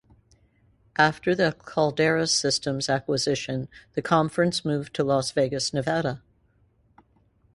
After the Caldera Systems acquisition, the conference moved to Las Vegas, Nevada.